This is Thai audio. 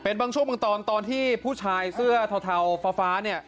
เป็นบางช่วงบางตอนตอนที่ผู้ชายเสื้อเทาฟ้าเนี่ย